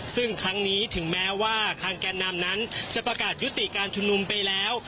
ซึ่งครั้งนี้ถึงแม้ว่าทางแกนนำนั้นจะประกาศยุติการชุมนุมไปแล้ว